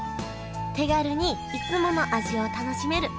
手軽にいつもの味を楽しめる。